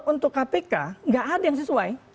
untuk kpk nggak ada yang sesuai